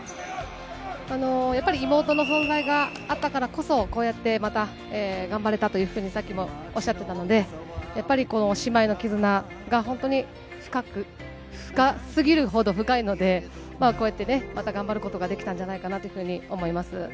やっぱり、妹の存在があったからこそ、こうやってまた頑張れたというふうに、さっきおっしゃってたので、やっぱりこの姉妹の絆が、本当に深く、深すぎるほど深いので、こうやってね、また頑張ることができたんじゃないかなというふうに思います。